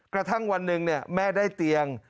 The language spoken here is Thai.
กระทั่งวันหนึ่งแม่ได้เตียง